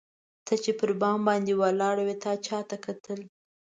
ته چي پر بام ولاړه وې تا چاته کتل؟